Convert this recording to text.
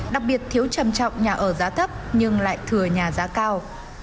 đặc biệt thiếu trầm trọng nhà ở giá thấp nhưng lại thừa nhà giá cao